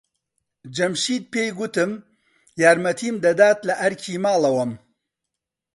جەمشید پێی گوتم یارمەتیم دەدات لە ئەرکی ماڵەوەم.